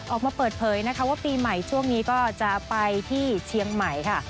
ออกมาเปิดเผยนะคะว่าปีใหม่ช่วงนี้ก็จะไปที่เชียงใหม่ค่ะ